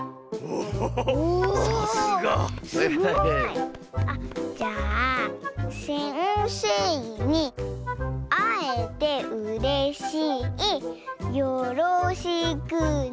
おすごい！あっじゃあ「せんせいにあえてうれしいよろしくね！」。